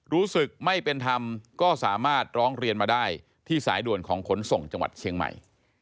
รู้สึกไม่เป็นธรรมก็สามารถร้องเรียนมาได้ที่สายด่วนของขนส่งจังหวัดเชียงใหม่